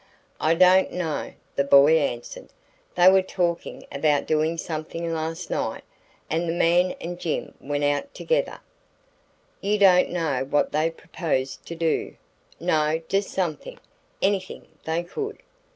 "I don't know," the boy answered. "They were talkin' about doing somethin' last night, and the man and Jim went out together." "You don't know what they proposed to do?" "No just somethin', anything they could."